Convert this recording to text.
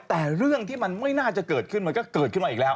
แต่เรื่องที่มันไม่น่าจะเกิดขึ้นมันก็เกิดขึ้นมาอีกแล้ว